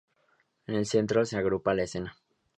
En el centro se agrupa la escena.